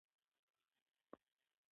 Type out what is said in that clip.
زه چې کله د ښایستونو رخسار ته ځیر شم.